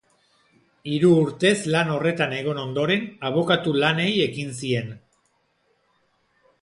Hiru urtez lan horretan egon ondoren, abokatu lanei ekin zien.